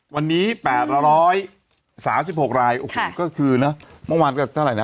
วันนี้๘๓๖รายโอ้โหก็คือนะเมื่อวานก็เท่าไหร่นะ